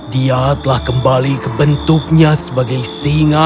dia telah kembali ke bentuknya sebagai singa